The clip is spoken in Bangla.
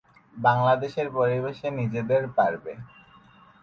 বাংলাদেশের মানুষ সহিংসতামুক্ত পরিবেশে আলোচনার মাধ্যমে নিজেদের মতপার্থক্য দূর করতে পারবে।